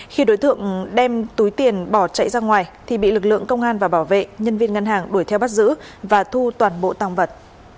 khi đối tượng đem túi tiền bỏ chạy ra ngoài thì bị lực lượng công an và bảo vệ nhân viên ngân hàng đuổi theo bắt giữ và thu toàn bộ tăng vật